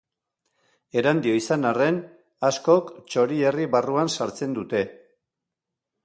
Erandio izan arren, askok Txorierri barruan sartzen dute.